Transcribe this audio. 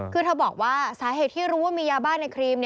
คือเธอบอกว่าสาเหตุที่รู้ว่ามียาบ้าในครีม